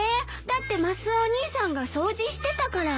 だってマスオお兄さんが掃除してたから。